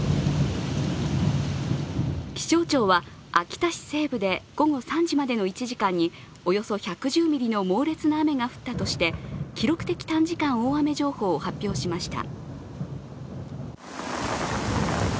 気象庁は秋田市西部で午後３時までの１時間におよそ１１０ミリの猛烈な雨が降ったとして記録的短時間大雨情報を発表しました。